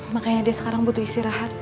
makanya dia sekarang butuh istirahat